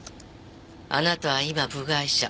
あなたは今部外者。